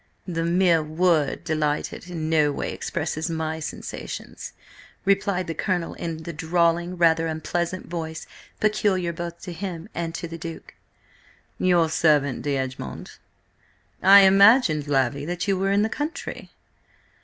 "The mere word 'delighted' in no way expresses my sensations," replied the Colonel in the drawling, rather unpleasant voice peculiar both to him and to the Duke. "Your servant, D'Egmont. I imagined, Lavvy, that you were in the country?"